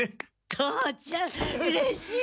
父ちゃんうれしい！